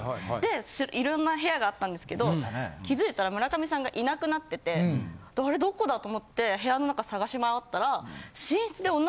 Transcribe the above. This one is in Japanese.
いろんな部屋があったんですけど気付いたら村上さんがいなくなっててあれどこだ？と思って部屋の中捜し回ったら。